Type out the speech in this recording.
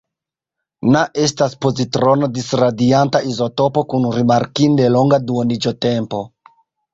Na estas pozitrono-disradianta izotopo kun rimarkinde longa duoniĝotempo.